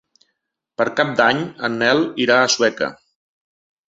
Per Cap d'Any en Nel irà a Sueca.